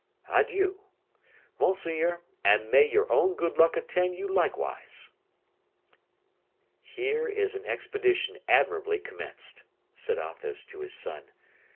"Adieu! monseigneur; and may your own good luck attend you likewise." "Here is an expedition admirably commenced!" said Athos to his son.